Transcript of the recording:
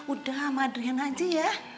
udah sama adriana aja ya